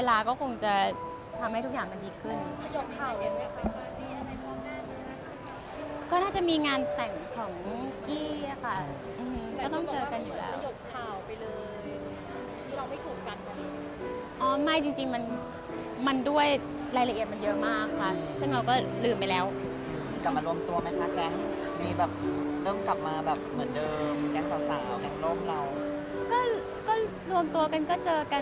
ถ้าจะเปลี่ยนก็คือก็คงไม่ได้ใช้คำว่ากังล่มอีกแล้วแหละ